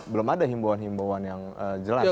belum ada himbauan himbauan yang jelas